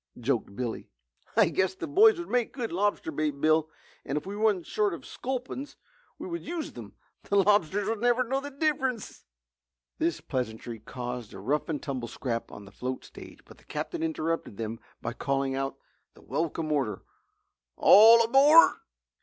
joked Billy. "I guess the boys would make good lobster bait, Bill, and if we run short of sculpins we will use them the lobsters will never know the difference," laughed Fred. This pleasantry caused a rough and tumble scrap on the float stage but the Captain interrupted them by calling out the welcome order, "All aboard!"